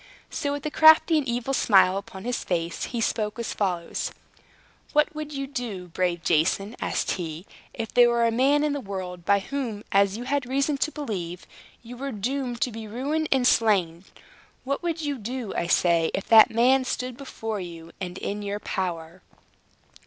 So, with a crafty and evil smile upon his face, he spoke as follows: "What would you do, brave Jason," asked he, "if there were a man in the world, by whom, as you had reason to believe, you were doomed to be ruined and slain what would you do, I say, if that man stood before you, and in your power?"